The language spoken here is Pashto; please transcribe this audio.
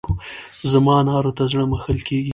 زما انارو ته زړه مښل کېږي.